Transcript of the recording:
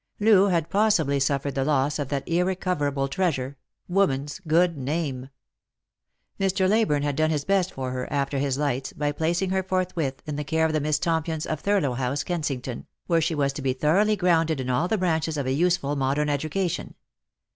Loo had possibly suffered the loss of that irre coverable treasure, woman's good name. Mr. Leyburne had done his best for her, after his lights, by placing her forthwith in the care of the Miss Tompions of Thurlow House, Kensington, where she was to be thoroughly grounded in all the branches of a useful modern education.